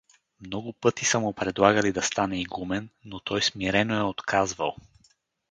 Много пъти са му предлагали да стане игумен, но той смирено е отказвал.